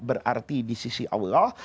berarti di sisi allah